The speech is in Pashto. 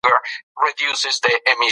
سیاسي مشارکت د ټولنې مسؤلیت هم دی